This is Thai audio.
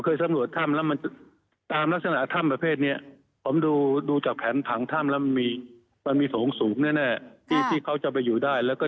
คืออาจารย์ประโยชน์ว่าตรงกลางถ้ำแต่น่าจะเลยหาดพัทยาไปหน่อยอาจารย์พูดแบบนี้